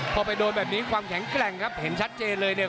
พอไปโดนแบบนี้ความแข็งแกร่งครับเห็นชัดเจนเลยเนี่ย